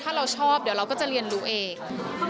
ถ้าเราชอบเดี๋ยวเราก็จะเรียนรู้เอง